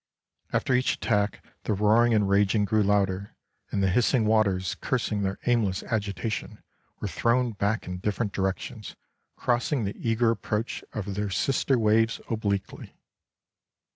After each attack the roaring and raging grew louder, and the hissing waters cursing their aimless agitation were thrown back in different directions, crossing the eager approach of their sister waves obliquely.